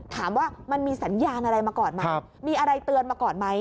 ถามว่ามันมีสัญญาณอะไรมาก่อนไหมมีอะไรเตือนมาก่อนไหม